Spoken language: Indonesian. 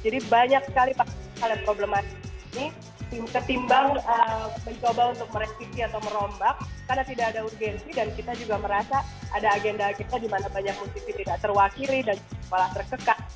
jadi banyak sekali problematis ini ketimbang mencoba untuk merespisi atau merombak karena tidak ada urgensi dan kita juga merasa ada agenda kita di mana banyak musisi tidak terwakili dan malah terkeka